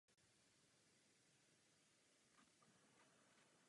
V této oblasti je třeba přijmout další opatření.